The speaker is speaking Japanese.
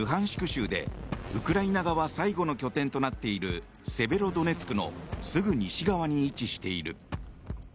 州でウクライナ側最後の拠点となっているセベロドネツクのすぐ西側に位置している。